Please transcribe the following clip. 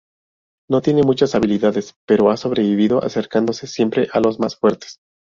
No tiene muchas habilidades, pero ha sobrevivido acercándose siempre a los más fuertes.